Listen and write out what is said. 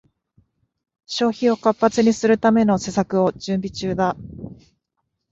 消費を活発にするための施策を準備中だ